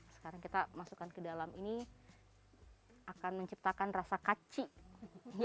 sekarang kita masukkan ke dalam ini akan menciptakan rasa kaci